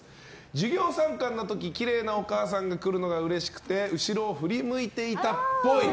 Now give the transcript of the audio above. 授業参観の時きれいなお母さんが来るのがうれしくて後ろを振り向いてたっぽい。